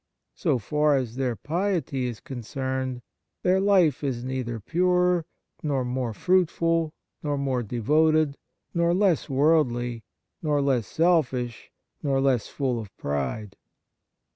So far as their piety is concerned, their life is neither purer, nor more fruitful, nor more devoted, nor less worldly, nor less selfish, nor less full of pride.